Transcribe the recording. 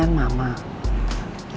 biar aku jawab pertanyaan mama